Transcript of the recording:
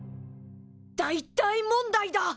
大大問題だ！